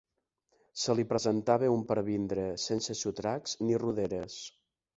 Se li presentava un pervindre, sense sotracs ni roderes